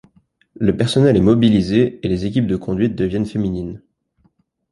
Le personnel est mobilisé et les équipes de conduites deviennent féminines.